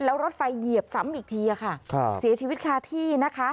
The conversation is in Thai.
แล้วรถไฟเหยียบซ้ำอีกทีค่ะเสียชีวิตคาที่นะคะ